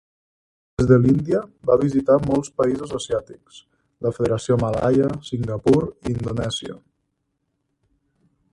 Des de l'Índia, va visitar molts països asiàtics: la Federació Malaia, Singapur i Indonèsia.